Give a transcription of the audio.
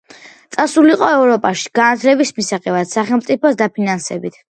წასულიყო ევროპაში განათლების მისაღებად სახელმწიფოს დაფინანსებით.